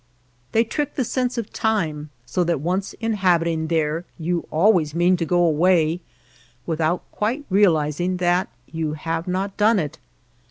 They trick the sense of time, so that once inhabiting there you always mean to go away without quite realizing that you have not done it.